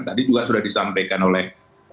tadi juga sudah disampaikan oleh